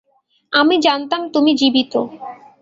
আমি জানতাম তুমি জীবিত।